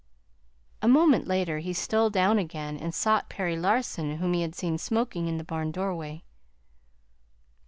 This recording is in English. A moment later he stole down again and sought Perry Larson whom he had seen smoking in the barn doorway.